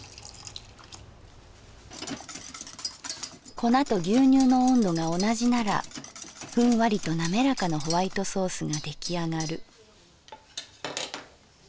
「粉と牛乳の温度が同じならフンワリとなめらかなホワイトソースが出来上がる」。